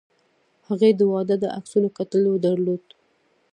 هغې د واده د عکسونو کتل ودرول.